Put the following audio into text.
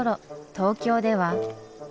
東京では。